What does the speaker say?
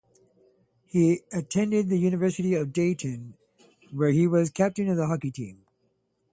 He attended the University of Dayton, where he was captain of the hockey team.